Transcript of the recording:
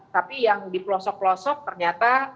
tapi yang di pelosok pelosok ternyata